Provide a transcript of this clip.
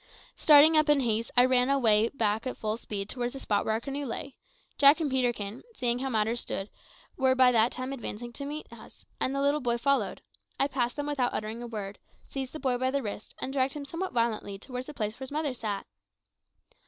Starting up in haste, I ran away back at full speed towards the spot where our canoe lay. Jack and Peterkin, seeing how matters stood, were by that time advancing to meet us, and the little boy followed. I passed them without uttering a word, seized the boy by the wrist, and dragged him somewhat violently towards the place where his mother sat.